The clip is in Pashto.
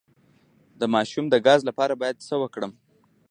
د ماشوم د ګاز لپاره باید څه وکړم؟